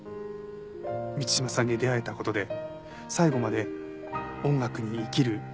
満島さんに出会えた事で最後まで音楽に生きる決意ができた。